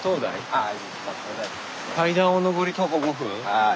はい。